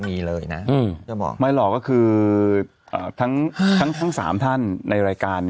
มีเลยนะจะบอกไม่หรอกก็คือทั้ง๓ท่านในรายการ